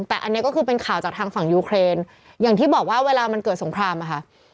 แต่อันนี้ก็คือเป็นข่าวจากทางฝั่งยูเครนอย่างที่บอกว่าเวลามันเกิดสงครามอะค่ะ